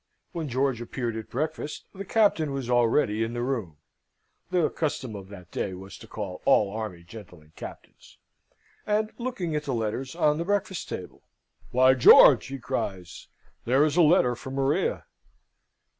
When George appeared at breakfast, the Captain was already in the room (the custom of that day was to call all army gentlemen Captains), and looking at the letters on the breakfast table. "Why, George," he cries, "there is a letter from Maria!"